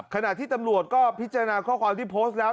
ขณะที่ตำรวจก็พิจารณาข้อความที่โพสต์แล้ว